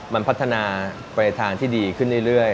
มันพัฒนาไปทางที่ดีขึ้นเรื่อย